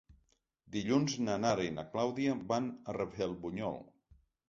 Dilluns na Nara i na Clàudia van a Rafelbunyol.